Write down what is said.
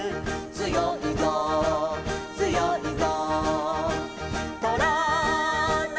「つよいぞつよいぞ」